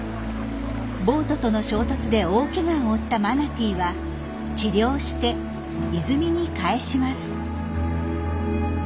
ボートとの衝突で大けがを負ったマナティーは治療して泉にかえします。